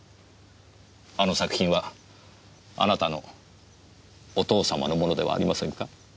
あの作品はあなたのお父様のものではありませんか？